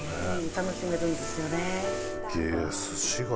楽しめるんですよね。